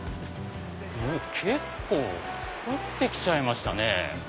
結構降って来ちゃいましたね。